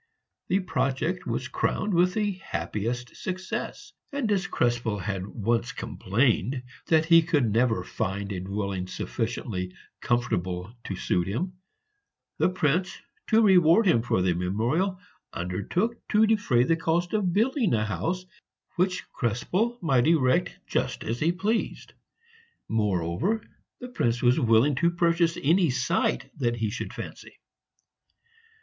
The project was crowned with the happiest success; and as Krespel had once complained that he could never find a dwelling sufficiently comfortable to suit him, the prince, to reward him for the memorial, undertook to defray the cost of building a house which Krespel might erect just as he pleased. Moreover, the prince was willing to purchase any site that he should fancy.